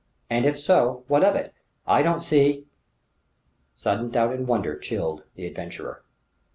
And if so what of it? I don't see ..." Suddenly doubt and wonder chilled the adventurer.